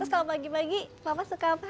terus kalau pagi pagi bapak suka apa